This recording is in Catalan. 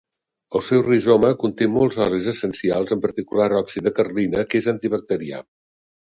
El seu rizoma conté molts olis essencials en particular òxid de carlina que és antibacterià.